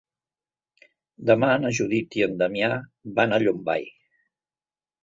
Demà na Judit i en Damià van a Llombai.